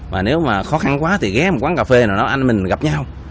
và nếu mà khó khăn quá thì ghé một quán cà phê nào đó anh mình gặp nhau